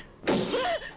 えっ！？